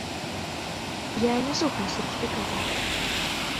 Я не супраць сертыфікатаў.